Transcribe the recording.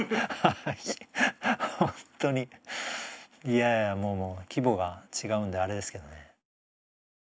いやいやもうもう規模が違うんであれですけどね。